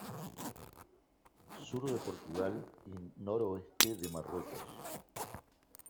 Sur de Portugal y noroeste de Marruecos.